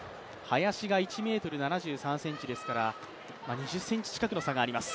林が１ｍ７３ｃｍですから２０ｃｍ近くの差があります。